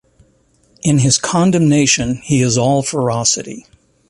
In his condemnation he is all ferocity.